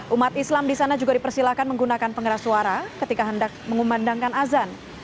umat islam di sana juga dipersilahkan menggunakan pengeras suara ketika hendak mengumandangkan azan